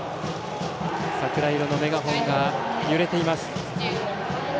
桜色のメガホンが揺れています。